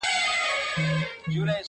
زه تر هغو پورې ژوندی يمه چي ته ژوندۍ يې!!